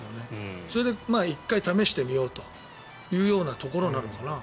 それで１回試してみようというところなのかな。